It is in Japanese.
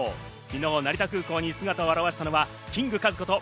昨日、成田空港に姿を現したのはキング・カズこと